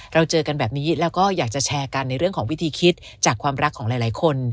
เราเจอกันแบบนี้แล้วก็อยากจะแชร์กันในเรื่องของวิธีคิดจากความรักของหลายคน